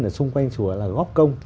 ở xung quanh chùa là góp công